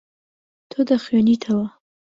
تۆ دەخوێنیتەوە.